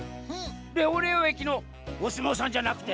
レオレオえきのおすもうさんじゃなくて？